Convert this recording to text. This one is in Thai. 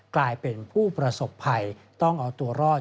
กลายเป็นผู้ประสบภัยต้องเอาตัวรอด